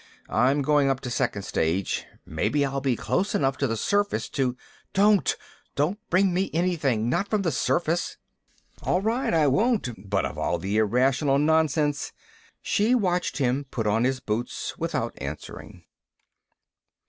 I'm going up to second stage. Maybe I'll be close enough to the surface to " "Don't! Don't bring me anything! Not from the surface!" "All right, I won't. But of all the irrational nonsense " She watched him put on his boots without answering.